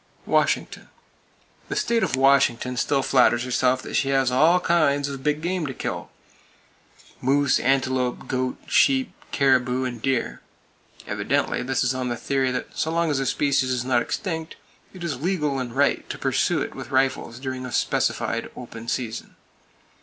Washington: The state of Washington still flatters herself that she has all kinds of big game to kill,—moose, antelope, goat, sheep, caribou and deer. Evidently this is on the theory that so long as a species is not extinct, it is "legal" and right to pursue it with rifles during a specified "open season."